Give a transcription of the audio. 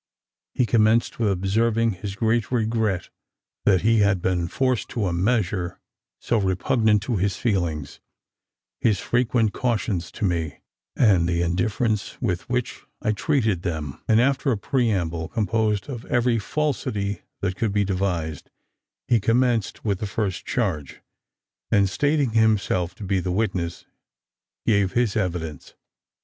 He commenced with observing his great regret that he had been forced to a measure so repugnant to his feelings; his frequent cautions to me, and the indifference with which I treated them: and, after a preamble, composed of every falsity that could be devised, he commenced with the first charge; and stating himself to be the witness, gave his evidence.